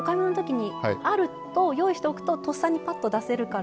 あると用意しておくととっさにぱっと出せるから。